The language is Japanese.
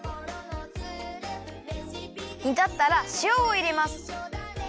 にたったらしおをいれます。